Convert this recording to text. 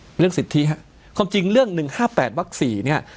เรื่องสิทธิฮะความจริงเรื่อง๑๕๘วัก๔เนี่ย